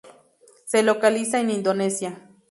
Se localiza en Indonesia.